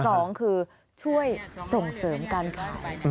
สองคือช่วยส่งเสริมการขาย